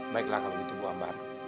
baiklah kalau gitu ibu ambar